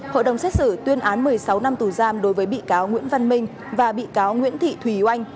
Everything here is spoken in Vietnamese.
hội đồng xét xử tuyên án một mươi sáu năm tù giam đối với bị cáo nguyễn văn minh và bị cáo nguyễn thị thùy oanh